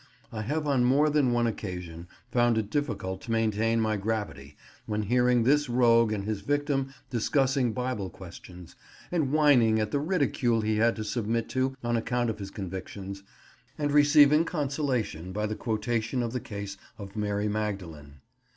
I have on more than one occasion found it difficult to maintain my gravity when hearing this rogue and his victim discussing Bible questions, and whining at the ridicule he had to submit to on account of his convictions, and receiving consolation by the quotation of the case of Mary Magdalene.